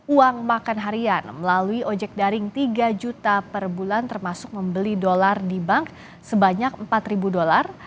uang makan harian melalui ojek daring tiga juta per bulan termasuk membeli dolar di bank sebanyak empat dolar